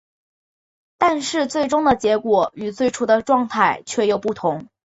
但是最终的结果与最初的状态却又不同。